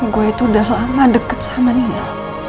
gue itu udah lama deket sama nino